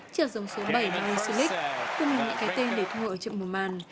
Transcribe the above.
trượt dòng số bảy murray sillick có mình những cái tên để thua ở trận mùa màn